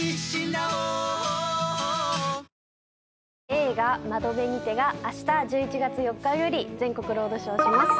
映画『窓辺にて』があした１１月４日より全国ロードショーします。